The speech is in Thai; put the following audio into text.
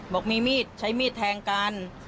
บอกมีมีดใช้มีดแทงกัน